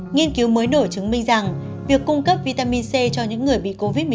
nghiên cứu mới nổi chứng minh rằng việc cung cấp vitamin c cho những người bị covid một mươi chín